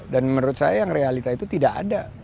menurut saya yang realita itu tidak ada